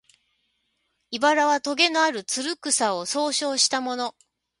「茨」はとげのある、つる草を総称したもの